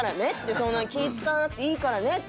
そんな気ぃ使わなくていいからねって。